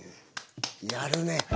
やるね。